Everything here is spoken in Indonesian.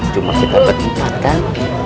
cuma kita berdekatan